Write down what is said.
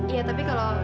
iya tapi kalau